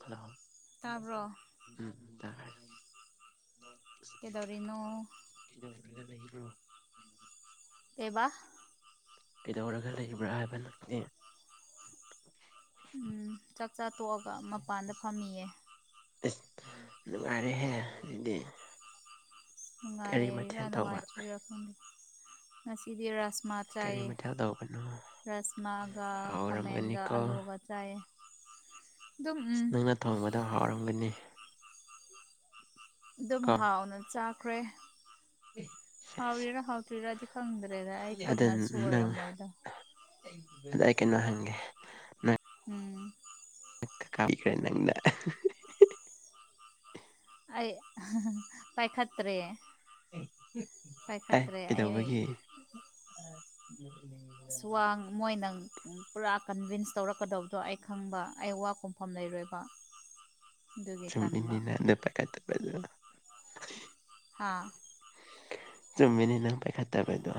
hello ꯇꯥꯕ꯭ꯔꯣ ꯎꯝ ꯇꯥꯏ ꯀꯩꯗꯧꯔꯤꯅꯣ ꯀꯔꯒ ꯂꯩꯕ꯭ꯔꯣ [unintelligible] ꯀꯦꯕ ꯀꯩꯗꯧꯔꯒ ꯂꯩꯕ꯭ꯔꯥ ꯍꯥꯏꯕ ꯅꯪꯗꯤ ꯎꯝ ꯆꯥꯛ ꯆꯥ ꯇꯣꯛꯑꯒ ꯃꯄꯥꯟꯗ ꯐꯝꯃꯤꯌꯦ ꯑꯁ ꯅꯨꯡꯉꯥꯏꯔꯦꯍꯦ ꯑꯗꯨꯗꯤ ꯀꯔꯤ ꯅꯨꯡꯉꯥꯏꯔꯤꯔꯥ ꯃꯊꯦꯜ ꯇꯧꯕ ꯅꯨꯡꯉꯥꯏꯇ꯭ꯔꯤꯔꯥ ꯈꯪꯗꯦ ꯉꯁꯤꯗꯤ ꯔꯥꯥꯁꯃꯥꯠ ꯀꯔꯤ ꯆꯥꯏꯌꯦ ꯃꯊꯦꯜ ꯇꯧꯕꯅꯣ ꯔꯁꯃꯥꯒ ꯈꯥꯃꯦꯟꯒ ꯍꯥꯎꯔꯝꯒꯅꯤꯀꯣ ꯑꯥꯂꯨꯒ ꯆꯥꯏꯌꯦꯦ ꯑꯁ ꯅꯪꯅ ꯊꯣꯡꯕꯗꯣ ꯍꯥꯎꯔꯝꯒꯅꯤ ꯑꯗꯨꯝ ꯀꯣ ꯍꯥꯎꯅ ꯆꯥꯈ꯭ꯔꯦ ꯁꯦꯁ ꯍꯥꯎꯔꯤꯔꯥ ꯍꯥꯎꯇ꯭ꯔꯤꯔꯥꯗꯤ ꯈꯪꯗꯦ ꯗꯥꯗ ꯑꯩ ꯈꯨꯠꯅꯁꯨ ꯑꯣꯏꯔꯝꯃꯣꯏꯗ ꯑꯩ ꯑꯗꯩ ꯑꯩ ꯀꯩꯅꯣ ꯍꯪꯒꯦ ꯎꯝ ꯀꯥꯞꯈ꯭ꯔꯦ ꯅꯪꯅ ꯑꯩ ꯄꯥꯏꯈꯠꯇ꯭ꯔꯦ ꯑꯦ ꯄꯥꯏꯈꯠꯇ꯭ꯔꯦ ꯑꯩ ꯀꯩꯗꯧꯕꯒꯤ ꯑꯁ ꯋꯥꯡ ꯃꯣꯏꯅꯪ ꯄꯨꯔꯥ ꯀꯟꯚꯤꯟꯁ ꯇꯧꯔꯛꯀꯗꯕꯗꯣ ꯑꯩ ꯈꯪꯕ ꯑꯩ ꯋꯥ ꯈꯨꯝꯐꯝ ꯂꯩꯔꯣꯏꯕ [unintelligible] ꯇꯟꯕ ꯆꯨꯝꯃꯤꯅꯤꯅ ꯅꯪ ꯄꯥꯏꯈꯠꯇꯕ ꯑꯗꯨꯅ ꯍꯥꯥ ꯆꯨꯝꯃꯤꯅꯦ ꯅꯪ ꯄꯥꯏꯈꯠꯇꯕꯗꯣ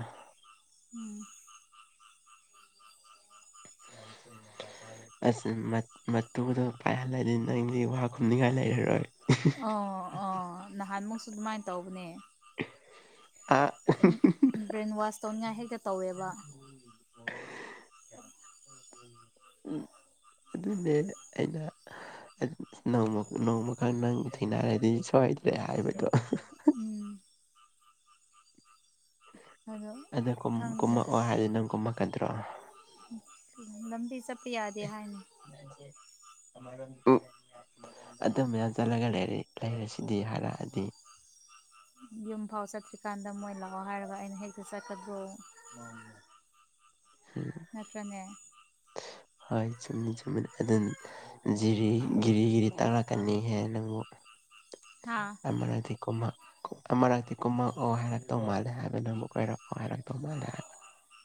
ꯎꯝ ꯎꯝ ꯑꯁ ꯃꯠ ꯃꯇꯨꯗꯣ ꯄꯥꯏꯍꯜꯂꯗꯤ ꯅꯪꯗꯤ ꯋꯥ ꯈꯨꯝꯅꯤꯡꯉꯥꯏ ꯂꯩꯔꯔꯣꯏ ꯑꯣ ꯑꯣ ꯅꯍꯥꯟꯃꯨꯛꯁꯨ ꯑꯗꯨꯃꯥꯏ ꯇꯧꯕꯅꯦ ꯑꯥ ꯕ꯭ꯔꯦꯟꯋꯥꯁ ꯇꯧꯅꯤꯡꯉꯥꯏ ꯍꯦꯛꯇ ꯇꯧꯋꯦꯕ ꯎꯝ ꯑꯗꯨꯅꯦ ꯑꯩꯅ ꯑꯦꯠ ꯅꯣꯡꯃ ꯅꯣꯡꯃꯀꯥꯟꯅ ꯅꯪꯗꯤ ꯊꯦꯡꯅꯔꯗꯤ ꯁꯣꯏꯗ꯭ꯔꯦ ꯍꯥꯏꯕꯗꯣ ꯎꯝ ꯑꯗꯣ ꯑꯗ ꯀꯨꯝ ꯈꯪꯗꯦ ꯀꯨꯝꯃꯛꯑꯣ ꯍꯥꯏꯗꯤ ꯅꯪ ꯀꯨꯝꯃꯛꯀꯗ꯭ꯔꯣ ꯂꯝꯕꯤ ꯆꯠꯄ ꯌꯥꯗꯦ ꯍꯥꯏꯅꯤ [unintelligible] ꯑꯗꯨꯝꯕꯌꯥꯝ ꯆꯠꯂꯒ ꯂꯩꯔꯦ ꯂꯩꯔꯁꯤꯗꯤ ꯍꯥꯏꯔꯛꯑꯗꯤ ꯌꯨꯝꯐꯥꯎ ꯆꯠꯇ꯭ꯔꯤꯀꯥꯟꯗ ꯃꯣꯏ ꯂꯥꯛꯑꯣ ꯍꯥꯏꯔꯒ ꯑꯩꯅ ꯍꯦꯛꯇ ꯆꯠꯀꯗ꯭ꯔꯣ ꯍꯨꯝ ꯅꯠꯇ꯭ꯔꯅꯦ ꯍꯥꯏ ꯆꯨꯝꯃꯤ ꯆꯨꯝꯃꯤꯅꯤ ꯑꯗꯨꯅ ꯖꯤꯔꯤ ꯒꯤꯔꯤ ꯒꯤꯔꯤ ꯇꯛꯂꯛꯀꯅꯤꯍꯦ ꯅꯪꯕꯨ ꯍꯥꯥ ꯑꯃꯔꯥꯏꯗꯦꯀꯣ ꯑꯃꯔꯛꯇꯤ ꯀꯨꯝꯃꯛꯛꯑꯣ ꯍꯥꯏꯔꯛꯇꯧ ꯃꯥꯜꯂꯦ ꯍꯥꯏꯕ ꯅꯪꯕꯨ ꯀꯣꯏꯔꯛꯑꯣ ꯍꯥꯏꯔꯛꯇꯧ ꯃꯥꯜꯂꯦ ꯍꯥꯏꯕ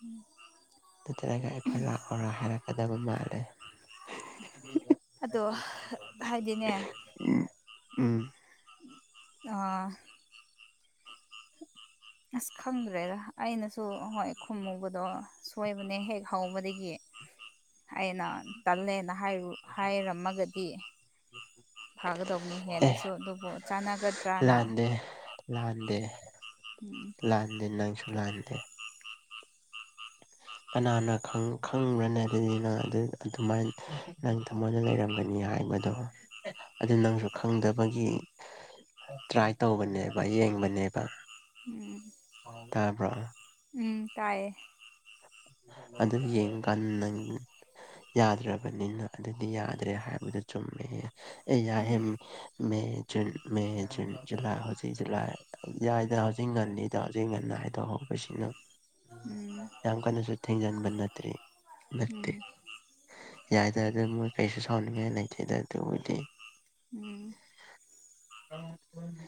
ꯎꯝ ꯅꯠꯇ꯭ꯔꯒ ꯑꯩꯈꯣꯏ ꯂꯥꯛꯑꯣꯔꯥ ꯍꯥꯏꯔꯛꯀꯗꯕ ꯃꯥꯜꯂꯦ ꯑꯗꯣ ꯍꯥꯏꯗꯤꯅꯦ ꯎꯝ ꯎꯝ ꯑꯥ [unintelligible] ꯑꯁ ꯈꯪꯗ꯭ꯔꯦꯗ ꯑꯩꯅꯁꯨ ꯍꯣꯏ ꯈꯨꯝꯃꯨꯕꯗꯣ ꯁꯣꯏꯕꯅꯦ ꯍꯦꯛ ꯍꯧꯕꯗꯒꯤ ꯑꯩꯅ ꯇꯜꯂꯦꯅ ꯍꯥꯏꯌꯨ ꯍꯥꯏꯔꯝꯃꯒꯗꯤ ꯐꯥꯒꯗꯕꯅꯤ ꯑꯦ ꯍꯦꯟꯅꯁꯨ ꯑꯗꯨꯕꯨ ꯆꯥꯟꯅꯒꯗ꯭ꯔꯅ ꯂꯥꯟꯗꯦ ꯂꯥꯟꯗꯦ ꯎꯝ ꯎꯝ ꯂꯥꯟꯗꯦ ꯅꯪꯁꯨ ꯂꯥꯟꯗꯦ ꯀꯅꯥꯅ ꯈꯪ ꯈꯪꯕ꯭ꯔꯅꯦ ꯑꯗꯨꯗꯤ ꯅꯪ ꯑꯗꯨ ꯑꯗꯨꯃꯥꯏ ꯅꯪ ꯊꯃꯣꯏꯅ ꯂꯩꯔꯝꯒꯅꯤ ꯍꯥꯏꯕꯗꯣ ꯑꯗꯨ ꯅꯪꯁꯨ ꯈꯪꯗꯕꯒꯤ ꯇ꯭ꯔꯥꯏ ꯇꯧꯕꯅꯦꯕ ꯌꯦꯡꯕꯅꯦꯕ ꯎꯝ ꯇꯥꯕ꯭ꯔꯣ ꯎꯝ ꯇꯥꯏꯌꯦ ꯑꯗꯨ ꯌꯦꯡꯀꯥꯟ ꯅꯪ ꯌꯥꯗ꯭ꯔꯕꯅꯤꯅ ꯑꯗꯨꯗꯤ ꯌꯥꯗ꯭ꯔꯦ ꯍꯥꯏꯕꯗꯨ ꯆꯨꯝꯃꯦ ꯑꯦ ꯌꯥꯏꯌꯦ ꯎꯝ May June May June July ꯍꯧꯖꯤꯛ ꯖꯨꯂꯥꯏ ꯌꯥꯏꯗ ꯍꯧꯖꯤꯛ ꯉꯟꯅꯤ ꯗꯣ ꯍꯧꯖꯤꯛ ꯉꯟꯅ ꯍꯥꯏꯗꯣꯛꯍꯧꯕꯁꯤꯅ ꯎꯝ ꯀꯅꯁꯨ ꯊꯦꯡꯖꯤꯟꯕ ꯅꯠꯇ꯭ꯦ ꯎꯝ ꯅꯠꯇꯦ ꯌꯥꯏꯗꯗ ꯃꯣꯏ ꯀꯩꯁꯨ ꯁꯥꯎꯅꯤꯡꯉꯗ ꯍꯧꯗꯤ ꯎꯝ [inaudible]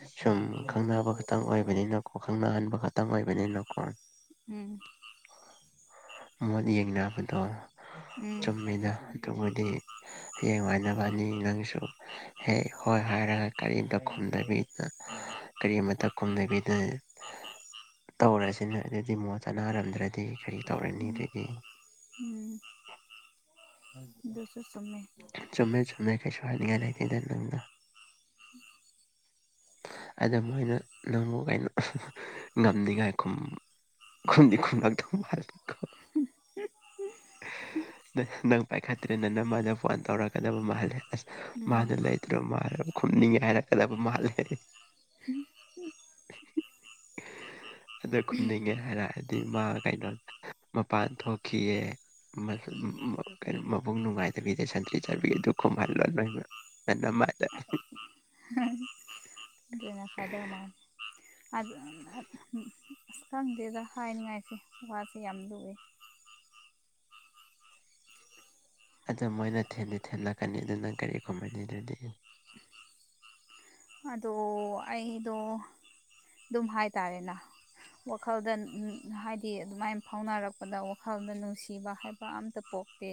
ꯑ ꯁꯨꯝ ꯈꯪꯅꯕ ꯈꯛꯇꯪ ꯑꯣꯏꯕꯅꯤꯅꯀꯣ ꯈꯪꯅꯍꯟꯕ ꯈꯛꯇꯪ ꯑꯣꯏꯕꯅꯤꯅꯀꯣ ꯎꯝ ꯃꯣꯠ ꯌꯦꯡꯅꯕꯗꯣ ꯎꯝ ꯆꯨꯝꯃꯤꯅ ꯑꯗꯨꯕꯨꯗꯤ ꯍꯌꯦꯡ ꯍꯥꯏꯥꯏꯅꯕꯅꯤ ꯅꯪꯁꯨ ꯍ ꯍꯣꯏ ꯍꯥꯏꯔꯒ ꯀꯔꯤꯝꯗ ꯈꯨꯝꯗꯕꯤꯅ ꯀꯔꯤꯃꯇ ꯀꯨꯝꯅꯕꯤꯗ ꯇꯧꯔꯁꯤꯅ ꯑꯗꯨꯗꯤ ꯃꯉꯣ ꯆꯅꯔꯝꯗ꯭ꯔꯗꯤ ꯈꯔꯤ ꯇꯧꯔꯅꯤ ꯎꯝ ꯗꯣꯁꯔ ꯁꯦ ꯆꯨꯝꯃꯦ ꯆꯨꯝꯃꯦ ꯀꯩꯁꯨ ꯍꯥꯏꯅꯤꯡꯉꯥꯏ ꯂꯩꯇꯦꯗ ꯅꯪꯅ [inaudible] ꯑꯗ ꯃꯣꯏꯅ ꯅꯪꯉꯨ ꯀꯩꯅ ꯉꯝꯅꯤꯡꯉꯥꯏ ꯈꯨꯝ ꯈꯨꯝꯗꯤ ꯈꯨꯝ ꯂꯥꯛꯗꯔꯣ ꯎ ꯅꯪ ꯄꯥꯏꯈꯠꯇ꯭ꯔꯦ ꯅ ꯅ ꯃꯥꯅ ꯐꯣꯟ ꯇꯧꯔꯛꯀꯗꯕ ꯃꯥꯜꯂꯦ ꯑꯁ ꯎꯝ ꯃꯥꯅ ꯂꯩꯇ꯭ꯔꯣ ꯃꯥ ꯈꯨꯝꯅꯤꯡꯉꯥꯏ ꯍꯥꯏꯔꯛꯀꯗꯕ ꯃꯥꯜꯂꯦ ꯍꯝ ꯑꯗ ꯈꯨꯝꯅꯤꯡꯉꯦ ꯍꯥꯏꯔꯛꯑꯗꯤ ꯃꯥ ꯀꯩꯅꯣ ꯃꯄꯥꯟ ꯊꯣꯛꯈꯤꯑ ꯀꯩꯅꯣ ꯃꯕꯨꯡ ꯅꯨꯡꯉꯥꯏꯇꯕꯤꯗ ꯁꯟꯇ꯭ꯔꯤ ꯆꯥꯕꯤꯗꯨ ꯈꯨꯝꯍꯜꯂꯣ ꯅꯣꯏꯕ ꯅꯅ ꯃꯥꯔꯦ ꯍꯝ ꯂꯅ ꯐꯥꯏꯗ ꯑꯃꯥꯟ ꯑꯁ ꯈꯪꯗꯦꯗ ꯍꯥꯏꯅꯤꯡꯉꯥꯏꯁꯤꯦ ꯋꯥꯁꯦ ꯌꯥꯝ ꯂꯨꯏ ꯑꯗꯨꯗ ꯃꯣꯏꯅ ꯊꯦꯟꯗꯤ ꯊꯦꯜꯂꯛꯀꯅꯤ ꯑꯗꯨ ꯅꯪ ꯀꯔꯤꯒꯨꯝꯕꯅꯤ ꯑꯗꯨꯗꯤ ꯑꯗꯣ ꯑꯩꯗꯣ ꯑꯗꯨꯝ ꯍꯥꯏꯇꯥꯔꯦꯅ ꯋꯥꯈꯜꯗ ꯍꯥꯏꯗꯤ ꯑꯗꯨꯃꯥꯏꯅ ꯐꯥꯎꯅꯔꯛꯄꯗ ꯋꯥꯈꯜꯗ ꯅꯨꯡꯁꯤꯕ ꯍꯥꯏ ꯀ ꯑꯃꯇ ꯄꯣꯛꯇꯦ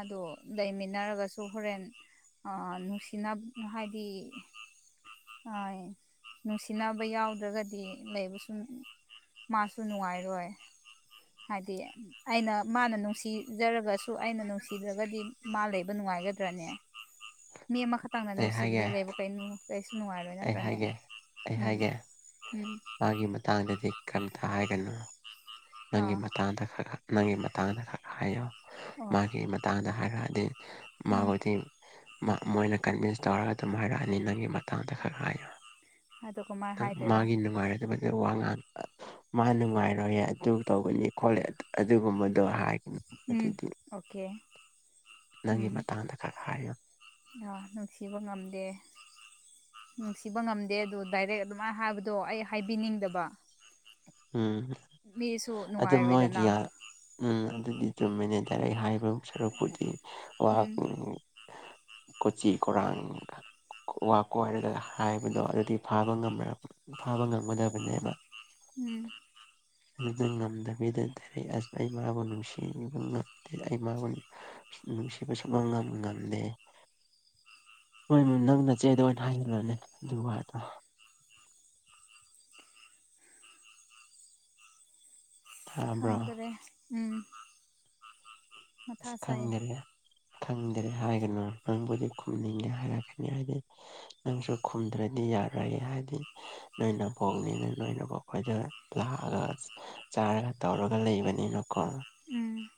ꯑꯗꯣ ꯂꯩꯃꯤꯟꯅꯔꯒꯁꯨ ꯍꯣꯔꯦꯟ ꯅꯨꯡꯁꯤꯅꯕ ꯍꯥꯏꯗꯤ ꯍ ꯅꯨꯡꯁꯤꯅꯕ ꯌꯥꯎꯗ꯭ꯔꯒꯗꯤ ꯂꯩꯕ ꯁꯨꯝ ꯃꯥꯁꯨ ꯅꯨꯡꯉꯥꯏꯔꯣꯏ ꯍꯥꯏꯗꯤ ꯑꯩꯅ ꯃꯥꯅ ꯅꯨꯡꯁꯤ ꯖꯔꯒꯁꯨ ꯑꯩꯅ ꯅꯨꯡꯁꯤꯗ꯭ꯔꯒꯗꯤ ꯃꯥ ꯂꯩꯕ ꯅꯨꯡꯉꯥꯏꯒꯗ꯭ꯔꯅꯦ ꯃꯤ ꯑꯃꯈꯛ ꯍ ꯇꯥꯡꯅ ꯑꯩ ꯅꯨꯡꯁꯤꯕꯨꯗꯤ ꯍꯥꯏꯒꯦ ꯂꯩꯕ ꯀꯩꯅꯣ ꯀꯩꯁꯨ ꯅꯨꯡꯉꯥꯏꯔꯣꯏ ꯑꯩ ꯅꯠꯇ꯭ꯔꯅꯦ ꯍꯥꯏꯒꯦ ꯑꯩ ꯎꯝ ꯍꯥꯏꯒꯦ ꯎꯝ ꯃꯥꯒꯤ ꯃꯇꯥꯡꯗꯗꯤ ꯀꯔꯤꯝꯇ ꯍꯥꯏꯒꯅꯨ ꯅꯪꯒꯤ ꯑꯥ ꯃꯇꯥꯡꯗ ꯈꯔ ꯅꯪꯒꯤ ꯃꯇꯥꯡꯗ ꯈꯔ ꯍꯥꯏꯌꯣ ꯑꯣ ꯃꯥꯒꯤ ꯃꯇꯥꯡꯗ ꯍꯥꯏꯔꯛꯑꯗꯤ ꯎꯝ ꯃꯥꯈꯣꯏꯗꯤ ꯃꯣꯏꯅ ꯀꯟꯚꯤꯟꯁ ꯇꯧꯔꯒ ꯑꯗꯨꯝ ꯍꯥꯏꯔꯛꯑꯅꯤ ꯅꯪꯒꯤ ꯃꯇꯥꯡꯗ ꯈꯛ ꯍꯥꯏꯌꯣ ꯑꯗꯣ ꯀꯃꯥꯏꯅ ꯍꯥꯏꯗꯣꯏꯕ ꯃꯥꯒꯤ ꯅꯨꯅꯨꯡꯉꯥꯏꯔꯗ ꯋꯥ ꯉ ꯃꯥ ꯅꯨꯡꯉꯥꯏꯔꯣꯏꯌꯦ ꯑꯗꯨ ꯇꯧꯕꯅꯤ ꯈꯣꯠꯂꯦ ꯑꯗꯨꯒꯨꯝꯕꯗꯣ ꯍꯥꯏ ꯎꯝ ꯑꯗꯨꯗꯤ ꯑꯣꯀꯦ ꯅꯪꯒꯤ ꯎꯝ ꯃꯇꯥꯡꯗ ꯈꯔ ꯍꯥꯏꯌꯨ ꯅꯨꯡꯁꯤꯕ ꯉꯝꯗꯦ ꯅꯨꯡꯁꯤꯕ ꯉꯝꯗꯦ ꯑꯗꯨ ꯗꯥꯏꯔꯦꯛ ꯑꯗꯨꯃꯥꯏꯅ ꯍꯥꯏꯕꯗꯣ ꯑꯩ ꯍꯥꯏꯕꯤꯅꯤꯡꯗꯕ ꯎꯝ ꯃꯤꯁꯨ ꯑꯗꯨ ꯃꯣꯏꯒꯤ ꯅꯨꯡꯉꯥꯏꯔꯣꯏꯗꯅ ꯎꯝ ꯑꯗꯨꯗꯤ ꯑꯗꯨꯝ ꯃꯦꯅꯦꯖꯔ ꯑꯩ ꯍꯥꯏꯕ ꯁꯔꯄꯨꯗꯤꯤ ꯋꯥꯥꯛ ꯎꯝ ꯀꯣꯆꯤ ꯀꯔꯥꯡꯒ ꯋꯥ ꯀꯣꯏꯔꯒ ꯍꯥꯏꯕꯗꯣ ꯑꯗꯨꯗꯤ ꯐꯥꯕ ꯉ ꯐꯥꯕ ꯉꯝꯒꯗꯕꯅꯦꯕ ꯎꯝ ꯑꯗꯨꯗ ꯉꯝꯗꯕꯤꯗꯔ ꯑꯁ ꯑꯩ ꯃꯔꯥꯕꯨ ꯅꯨꯡꯁꯤ ꯁꯤꯕ ꯉꯝꯗꯦ ꯑꯩ ꯃꯥꯕꯨ ꯅꯨꯡꯁꯤꯕ ꯁꯨꯕ ꯉꯝꯗꯦ ꯍꯣꯏ ꯃ ꯅꯪꯅ ꯆꯦꯗ ꯑꯣꯏꯅ ꯍꯥꯏꯖꯂꯅꯦ ꯑꯗꯨꯗꯣ ꯇꯥꯕ꯭ꯔꯣ ꯈꯪꯗ꯭ꯔꯦ ꯎꯝ ꯃꯊꯥ ꯁꯥꯏ ꯈꯪꯗ꯭ꯔꯦ ꯈꯪꯗꯔꯦ ꯍꯥꯏꯒꯅꯨ ꯅꯪꯕꯨꯗꯤ ꯈꯨꯝꯅꯤꯡꯒꯦ ꯍꯥꯏꯔꯛꯀꯅꯤ ꯍꯥꯏꯗꯤ ꯅꯪꯁꯨ ꯈꯨꯝꯗ꯭ꯔꯗꯤ ꯌꯥꯔꯒꯦ ꯍꯥꯏꯗꯤ ꯅꯣꯏꯅ ꯄꯣꯛꯅꯤ ꯅꯣꯏ ꯅꯣꯏꯅꯕꯨ ꯑꯩꯈꯣꯏꯗ ꯂꯥꯛꯑꯒ ꯆꯥꯔꯒ ꯇꯧꯔꯒ ꯂꯩꯕꯅꯤꯅꯀꯣ ꯎꯝ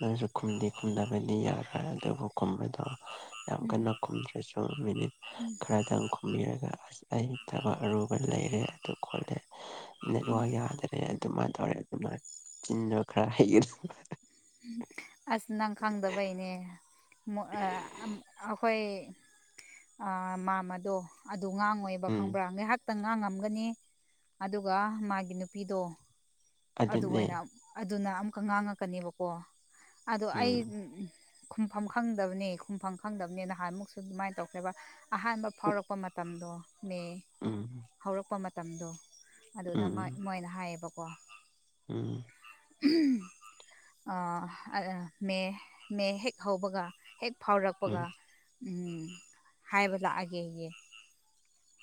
ꯅꯣꯏꯁꯨ ꯈꯨꯝꯗꯤ ꯈꯨꯝꯗꯕꯗꯤ ꯌꯥꯔꯣꯏ ꯑꯗꯨꯕꯨ ꯈꯨꯝꯕꯗꯣ ꯌꯥꯝ ꯎꯝ ꯀꯟꯅ ꯀꯨꯝꯗ꯭ꯔꯁꯨ ꯃꯤꯅꯤꯠ ꯎꯝ ꯈꯔ ꯈꯤꯇꯪ ꯈꯨꯝꯕꯤꯔꯒ ꯑꯁ ꯑꯩ ꯊꯕꯛ ꯑꯔꯨꯕ ꯂꯩꯔꯦ ꯑꯗꯨ ꯈꯣꯠꯂꯦ ꯎꯝ ꯅꯦꯠꯋꯥꯛ ꯌꯥꯗꯔꯦ ꯑꯗꯨꯃꯥꯏꯅ ꯇꯧꯔꯦ ꯑꯗꯨꯃꯥꯏꯅ ꯆꯤꯟꯗꯨ ꯈꯔ ꯍꯩꯒ ꯑꯁ ꯅꯪ ꯈꯪꯗꯕꯩꯅꯦ ꯑꯩꯈꯣꯏ ꯃꯥꯝ ꯑꯗꯣ ꯑꯗꯨ ꯉꯥꯡ ꯉꯣꯏꯕ ꯎꯝ ꯈꯪꯕ꯭ꯔꯥ ꯉꯥꯏꯍꯥꯛꯇꯪ ꯉꯥꯡꯉꯝꯒꯅꯤ ꯑꯗꯨꯒ ꯃꯥꯒꯤ ꯅꯨꯄꯤꯗꯣ ꯑꯗꯨ ꯑꯗꯨꯅꯦ ꯑꯣꯏꯅ ꯑꯗꯨꯅ ꯑꯃꯨꯛꯀ ꯉꯥꯡꯉꯛꯀꯅꯦꯕꯀꯣ ꯑꯗꯣ ꯑꯩ ꯎꯝ ꯈꯨꯝꯐꯝ ꯈꯪꯗꯕꯅꯤ ꯈꯨꯝꯐꯝ ꯈꯪꯗꯕꯅꯤ ꯅꯍꯥꯟꯃꯨꯛꯁꯨ ꯑꯗꯨꯃꯥꯏꯅ ꯇꯧꯈ꯭ꯔꯦꯕ ꯑꯍꯥꯟꯕ ꯐꯥꯎꯔꯛꯄ ꯃꯇꯝꯗꯣ ꯃꯦ ꯎꯝ ꯍꯧꯔꯛꯄ ꯃꯇꯝꯗꯣ ꯑꯗꯨꯗꯣꯏ ꯎꯝ ꯃꯣꯏꯅ ꯍꯥꯏꯌꯦꯕꯀꯣ ꯎꯝ ꯎꯝ ꯃꯦ ꯃꯦ ꯍꯦꯛ ꯍꯧꯕꯒ ꯍꯦꯛ ꯐꯥꯎꯔꯛꯄꯒ ꯎꯝ ꯎꯝ ꯍꯥꯏꯕ ꯂꯥꯛꯑꯒꯦ ꯑꯩ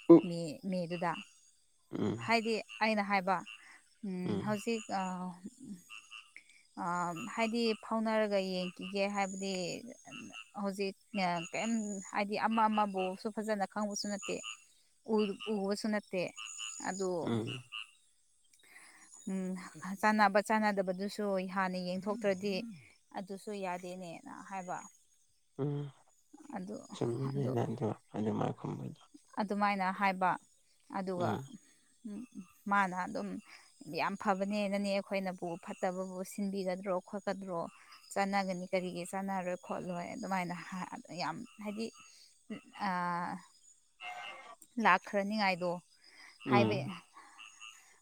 ꯎ ꯃ ꯃꯦꯗꯨꯗ ꯎꯝ ꯍꯥꯏꯗꯤ ꯑꯩꯅ ꯍꯥꯏꯕ ꯎꯝ ꯍꯧꯖꯤꯛ ꯍꯥꯏꯗꯤ ꯐꯥꯎꯅꯔꯒ ꯌꯦꯡꯈꯤꯒꯦ ꯍꯥꯏꯕꯗꯤ ꯍꯧꯖꯤꯛ ꯀꯩꯝ ꯍꯥꯏꯗꯤ ꯑꯃ ꯑꯃꯕꯨꯁꯨ ꯐꯖꯅ ꯈꯪꯕꯁꯨ ꯅꯠꯇꯦ ꯎ ꯎ ꯍꯁꯨꯟꯇꯩ ꯑꯗꯨꯗ ꯎꯝ ꯎ ꯆꯥꯟꯅꯕ ꯆꯥꯟꯅꯗꯕꯗꯨꯁꯨ ꯍꯥꯟꯅ ꯌꯦꯡꯊꯣꯛꯇ꯭ꯔꯗꯤ ꯑꯗꯨꯁꯨ ꯌꯥꯗꯦꯅꯦꯅ ꯍꯥꯏꯕ ꯎꯝ ꯑꯗꯨ ꯑꯗꯨ ꯆꯨꯝꯃꯤꯅꯤꯅꯗꯣ ꯑꯗꯨꯃꯥꯏ ꯈꯨꯝꯕꯗꯣ ꯑꯗꯨꯃꯥꯏꯅ ꯍꯥꯏꯕ ꯑꯗꯨꯒ ꯎꯝ ꯃꯥꯅ ꯑꯗꯨꯝ ꯌꯥꯝ ꯐꯕꯅꯦꯅꯅꯦ ꯑꯩꯈꯣꯏꯅꯕꯨ ꯐꯠꯇꯕꯕꯨ ꯁꯤꯟꯕꯤꯒꯗ꯭ꯔꯣ ꯈꯣꯠꯀꯗ꯭ꯔꯣ ꯆꯥꯟꯅꯒꯅꯤ ꯀꯔꯤꯒꯤ ꯆꯥꯟꯅꯔꯣꯏ ꯈꯣꯠꯂꯣꯏ ꯑꯗꯨꯃꯥꯏꯅ ꯌꯥꯝ ꯍꯥꯏꯗꯤ ꯑ ꯂꯥꯛꯈ꯭ꯔꯅꯤꯉꯥꯏꯗꯣ ꯍꯥꯏꯕ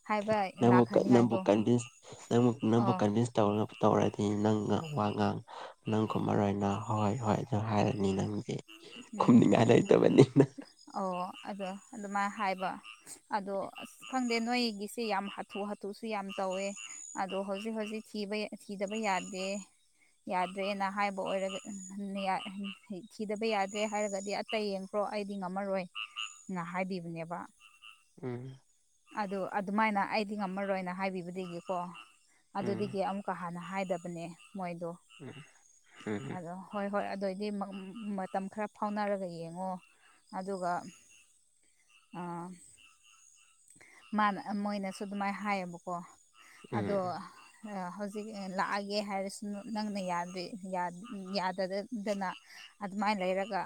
ꯍꯥꯏꯕ ꯕꯨ ꯀꯟꯚꯕꯨ ꯂꯥꯛꯈ꯭ꯔꯅꯤꯉꯥꯏꯗꯣ ꯑꯣ ꯀꯟꯚ ꯇꯧ ꯇꯧꯔꯗꯤ ꯅꯪ ꯋꯥ ꯉꯥꯡ ꯅꯪ ꯀꯨꯝ ꯃꯔꯔꯣꯏ ꯑꯣꯏꯅ ꯍꯣꯏ ꯍꯣꯏ ꯑꯗꯨ ꯍꯥꯏꯔꯅꯤ ꯅꯪ ꯑꯦ ꯎꯝ ꯈꯨꯝꯅꯤꯡꯉꯥꯏ ꯂꯩꯇꯕꯅꯤꯅ ꯑꯣ ꯑꯗꯣ ꯑꯗꯨꯃꯥꯏꯅ ꯍꯥꯏꯕ ꯑꯗꯣ ꯑ ꯈꯪꯗꯦ ꯅꯣꯏꯒꯤꯁꯤꯦ ꯌꯥꯝ ꯍꯥꯊꯨ ꯍꯥꯊꯨꯁꯨ ꯌꯥꯝ ꯇꯧꯋꯦ ꯑꯗꯣ ꯍꯧꯖꯤꯛ ꯍꯧꯖꯤꯛ ꯊꯤꯕ ꯊꯤꯗꯕ ꯌꯥꯗꯦ ꯌꯥꯗ꯭ꯔꯦꯅ ꯍꯥꯏꯕ ꯑꯣꯏꯔꯒ ꯊꯤꯗꯕ ꯌꯥꯗ꯭ꯔꯦ ꯍꯥꯏꯔꯒꯗꯤ ꯑꯇ ꯌꯦꯡꯈ꯭ꯔꯣ ꯑꯩꯗꯤ ꯉꯝꯃꯔꯣꯏ ꯉ ꯍꯥꯏꯕꯤꯕꯅꯦꯕ ꯎꯝ ꯑꯗꯨ ꯑꯗꯨꯃꯥꯏꯅ ꯑꯩꯗꯤ ꯉꯝꯃꯔꯣꯏꯅ ꯍꯥꯏꯕꯤꯕꯗꯒꯤꯀꯣ ꯎꯝ ꯑꯗꯨꯗꯒꯤ ꯑꯃꯨꯛ ꯀꯥ ꯍꯥꯟꯅ ꯍꯥꯏꯗꯕꯅꯦ ꯃꯣꯏꯗꯣ ꯎꯝ ꯑꯗꯣ ꯍꯣꯏ ꯍꯣꯏ ꯑꯗꯨꯑꯣꯏꯗꯤ ꯃꯇꯝ ꯈꯔ ꯐꯥꯎꯅꯔꯒ ꯌꯦꯡꯉꯣ ꯑꯗꯨꯒ ꯑꯥ ꯃꯥꯅ ꯃꯣꯏꯅꯁꯨ ꯑꯗꯨꯃꯥꯏꯅ ꯍꯥꯏꯌꯦꯕꯀꯣ ꯑꯗꯣ ꯎꯝ ꯍꯧꯖꯤꯛ ꯂꯥꯛꯑꯒꯦ ꯍꯥꯏꯔꯁꯨ ꯅꯪꯅ ꯌꯥꯗꯦꯗꯅ ꯑꯗꯨꯃꯥꯏꯅ ꯂꯩꯔꯒ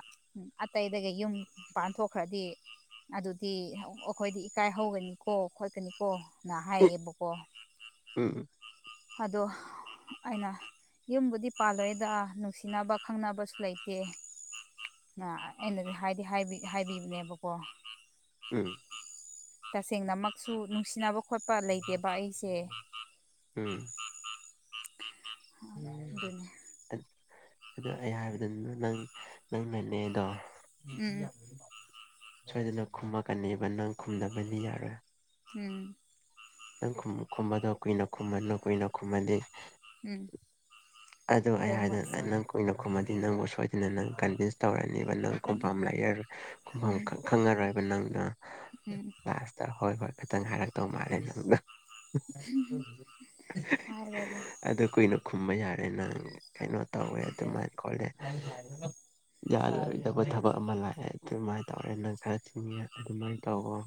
ꯑꯇꯩꯗꯒꯤ ꯌꯨꯝ ꯄꯥꯟꯊꯣꯛꯈ꯭ꯔꯗꯤ ꯑꯗꯨꯗꯤ ꯑꯩꯈꯣꯏꯗꯤ ꯏꯀꯥꯏ ꯍꯧꯒꯅꯤꯀꯣ ꯈꯣꯠꯀꯅꯤꯀꯣꯅ ꯍꯥꯏꯌꯦꯕꯀꯣ ꯎꯝ ꯎꯝ ꯑꯗꯣ ꯑꯩꯅ ꯌꯨꯝꯕꯨꯗꯤ ꯄꯥꯜꯂꯣꯏꯗ ꯅꯨꯡꯁꯤꯅꯕ ꯈꯪꯅꯕꯁꯨ ꯂꯩꯇꯦ ꯑꯩ ꯑꯩꯅꯗꯤ ꯍꯥꯏꯗꯤ ꯍꯥꯏꯕꯤꯕꯅꯦꯕꯀꯣ ꯎꯝ ꯇꯁꯦꯡꯅꯃꯛꯁꯨ ꯅꯨꯡꯁꯤꯅꯕ ꯈꯣꯠꯄ ꯂꯩꯇꯦꯕ ꯑꯩꯁꯦ ꯎꯝ ꯎ [inaudible] ꯎꯝ ꯑꯗꯨ ꯑꯩ ꯍꯥꯏꯕꯗꯨꯅ ꯅꯪ ꯅꯪ ꯅꯪꯅꯦꯗꯣ ꯎꯝ ꯁꯣꯏꯗꯅ ꯈꯨꯝꯃꯛꯀꯅꯦꯕ ꯅꯪ ꯈꯨꯝꯗꯕꯗꯤ ꯌꯥꯔꯣꯏ ꯎꯝ ꯅꯪ ꯈꯨꯝꯕꯗꯣ ꯀꯨꯏꯅ ꯈꯨꯝꯃꯜꯅꯨ ꯀꯨꯏꯅ ꯈꯨꯝꯃꯗꯤ ꯎꯝ ꯑꯗꯨ ꯑꯩꯅꯥ ꯕ꯭ꯔꯦꯟ ꯋꯥꯁꯇꯣ ꯍꯥꯢꯅ ꯀꯨꯏꯅ ꯈꯨꯝꯃꯗꯤ ꯅꯪꯕꯨ ꯁꯣꯏꯗꯅ ꯅꯪ ꯀꯟꯚꯤꯟꯁ ꯇꯧꯔꯛꯑꯅꯦꯕ ꯅꯪ ꯈꯨꯝꯐꯝ ꯂꯩꯔꯔꯣꯢ ꯈꯨꯝꯐꯝ ꯎꯝ ꯈꯪꯉꯔꯣꯏꯕ ꯅꯪꯗꯣ ꯎꯝ ꯂꯥꯁꯇ ꯍꯣꯏ ꯍꯣꯏ ꯈꯤꯇꯪ ꯍꯥꯏꯔꯛꯇꯧ ꯃꯥꯜꯂꯦ ꯅꯪꯗꯣ ꯍꯥꯏꯔꯒ ꯑꯗꯨ ꯀꯨꯏꯅ ꯈꯨꯝꯕ ꯌꯥꯔꯦ ꯅꯪ ꯀꯩꯅꯣ ꯇꯧꯋꯦ ꯑꯗꯨꯃꯥꯏꯅ ꯈꯣꯠꯂꯦ ꯌꯥꯅꯔꯣꯏꯗꯕ ꯊꯕꯛ ꯑꯃ ꯂꯥꯛꯑꯦ ꯑꯗꯨꯃꯥꯏꯅ ꯇꯧꯔꯦ ꯅꯪ ꯈꯔ ꯆꯤꯟꯉꯦ ꯑꯗꯨꯃꯥꯏꯅ ꯇꯧꯑꯣ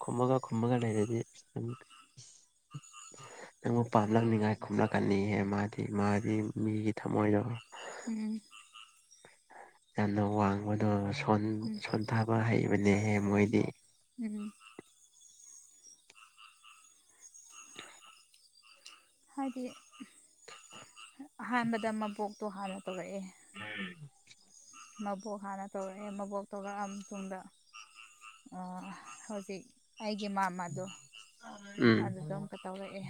ꯈꯨꯝꯃꯒ ꯈꯨꯝꯃꯒ ꯂꯩꯔꯗꯤ ꯅꯪꯕꯨ ꯄꯥꯝꯂꯛꯅꯤꯉꯥꯏ ꯈꯨꯝꯂꯛꯀꯅꯤꯍꯦ ꯃꯥꯗꯤ ꯃꯥꯗꯤ ꯃꯤꯒꯤ ꯊꯝꯃꯣꯏꯗꯣ ꯎꯝ ꯌꯥꯝꯅ ꯋꯥꯡꯕꯗꯣ ꯎꯝ ꯁꯣꯟꯊꯥꯕ ꯍꯩꯕꯅꯦꯍꯦ ꯃꯣꯏꯗꯤ ꯎꯝ ꯍꯥꯏꯗꯤ ꯑꯍꯥꯟꯕꯗ ꯃꯕꯣꯛꯇꯣ ꯍꯥꯟꯅ ꯇꯧꯔꯛꯑꯦ ꯎꯝ ꯃꯕꯣꯛ ꯍꯥꯟꯅ ꯇꯧꯔꯛꯑꯦ ꯃꯕꯣꯛ ꯇꯧꯔꯛꯑꯕ ꯃꯇꯨꯡꯗ ꯑꯥ ꯍꯧꯖꯤꯛ ꯑꯩꯒꯤ ꯃꯥꯃꯗꯣ ꯑꯗꯨꯗꯣ ꯎꯝ ꯑꯃꯨꯛꯀ ꯇꯧꯔꯛꯑꯦ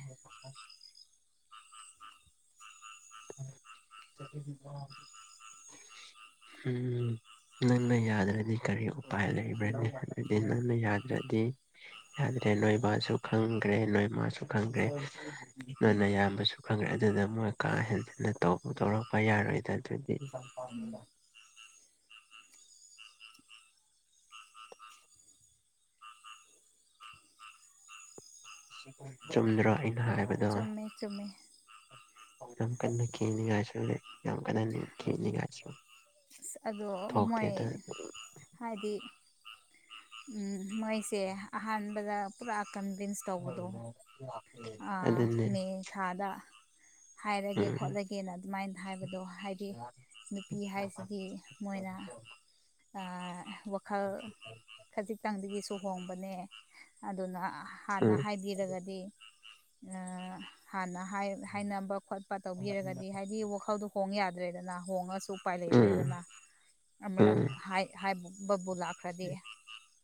ꯎꯝ ꯅꯪꯅ ꯌꯥꯗ꯭ꯔꯗꯤ ꯀꯔꯤ ꯎꯄꯥꯏ ꯂꯩꯕ꯭ꯔꯅꯤ ꯍꯥꯏꯕꯗꯤ ꯅꯪꯅ ꯌꯥꯗ꯭ꯔꯗꯤ ꯌꯥꯗ꯭ꯔꯦ ꯅꯣꯏ ꯃꯥꯁꯨ ꯈꯪꯈ꯭ꯔꯦ ꯅꯣꯏ ꯃꯥꯁꯨ ꯈꯪꯈ꯭ꯔꯦ ꯅꯣꯢ ꯅꯌꯥꯝꯕꯁꯨ ꯈꯪꯉꯦ ꯑꯗꯨꯗ ꯃꯣꯏ ꯀꯥ ꯍꯦꯟꯖꯤꯟꯅ ꯇꯧꯔꯛꯄ ꯌꯥꯔꯣꯏꯗꯅ ꯑꯗꯨꯗꯤ ꯎꯝ ꯆꯨꯝꯗ꯭ꯔꯥ ꯑꯩꯅ ꯍꯥꯏꯕꯗꯣ ꯆꯨꯝꯃꯦ ꯆꯨꯝꯃꯦ ꯌꯥꯝ ꯀꯟꯅ ꯀꯤꯅꯤꯡꯉꯥꯏꯁꯨ ꯌꯥꯝ ꯀꯟꯅ ꯀꯤꯅꯤꯡꯉꯥꯏꯁꯨ ꯑꯗꯣ ꯃꯣꯏ ꯍꯥꯏꯗꯤ ꯃꯣꯏꯁꯦ ꯑꯍꯥꯟꯕꯗ ꯄꯨꯔꯥ ꯀꯟꯚꯤꯟꯁ ꯍ [inaudible] ꯑꯥ ꯃꯦ ꯊꯥꯗ ꯍꯥꯏꯔꯒꯦ ꯎꯝ ꯈꯣꯠꯂꯒꯦꯅ ꯑꯗꯨꯃꯥꯏꯅ ꯍꯥꯏꯕꯗꯣ ꯍꯥꯏꯗꯤ ꯅꯨꯄꯤ ꯍꯥꯏꯁꯤꯗꯤ ꯃꯣꯏꯅꯥ ꯑꯥ ꯋꯥꯈꯜ ꯈꯖꯤꯛꯇꯪꯗꯒꯤꯁꯨ ꯍꯣꯡꯕꯅꯦ ꯑꯗꯨꯅ ꯍꯥꯟꯅ ꯎꯝ ꯍꯥꯏꯕꯤꯔꯒꯗꯤ ꯍꯥꯟꯅ ꯍꯥꯏꯅꯕ ꯈꯣꯠ ꯈꯔ ꯇꯧꯕꯤꯔꯒꯗꯤ ꯍꯥꯏꯗꯤ ꯋꯥꯈꯜꯗꯣ ꯍꯣꯡ ꯌꯥꯗ꯭ꯔꯦꯗꯅ ꯍꯣꯡꯉꯁꯨ ꯎꯄꯥꯏ ꯎꯝ ꯂꯩꯇ꯭ꯔꯦꯗꯅ ꯑꯃꯂꯛ ꯎꯝ ꯍꯥꯏ ꯍꯥꯏꯕꯕꯨ ꯂꯥꯛ ꯈ꯭ꯔꯗꯤ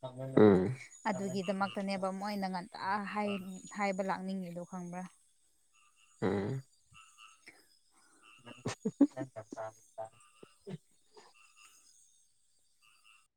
ꯎꯝ ꯑꯗꯨꯒꯤꯗꯃꯛꯇꯅꯦꯕ ꯃꯣꯏꯅ ꯉꯟꯇ ꯍꯥꯏ ꯍꯥꯏꯕ ꯂꯥꯛꯅꯤꯡꯉꯤꯗꯨ ꯈꯪꯕ꯭ꯔꯥ ꯎꯝ [unintelligible] [unintelligible]